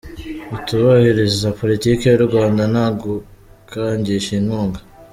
Utubahiriza politiki y’u Rwanda nta gukangisha inkunga